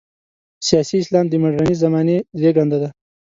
سیاسي اسلام د مډرنې زمانې زېږنده ده.